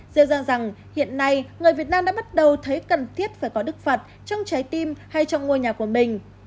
diêu ra rằng hiện nay người việt nam đã bắt đầu thấy cần thiết phải có đức phạt trong trái tim hay trong ngôi nhà của mình